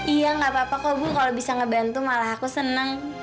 iya gak apa apa kok bu kalau bisa ngebantu malah aku senang